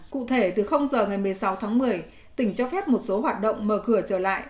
cụ thể từ giờ ngày một mươi sáu tháng một mươi tỉnh cho phép một số hoạt động mở cửa trở lại